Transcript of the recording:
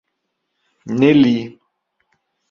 Ne li.